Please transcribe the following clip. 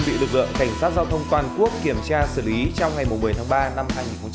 bị lực lượng cảnh sát giao thông toàn quốc kiểm tra xử lý trong ngày một mươi tháng ba năm hai nghìn hai mươi